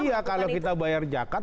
iya kalau kita bayar zakat